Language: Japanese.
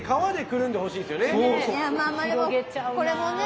まあまあでもこれもね